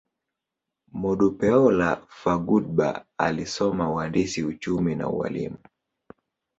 Modupeola Fadugba alisoma uhandisi, uchumi, na ualimu.